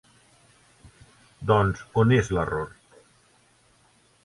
Doncs on és l'error?